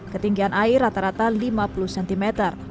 ketinggian air rata rata lima puluh cm